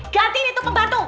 gantiin itu pembantu